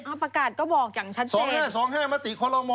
อ้าวประกาศก็บอกอย่างชัดเจนสองห้าสองห้ามติคลม